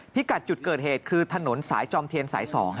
กัดจุดเกิดเหตุคือถนนสายจอมเทียนสาย๒